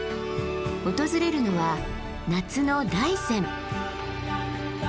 訪れるのは夏の大山。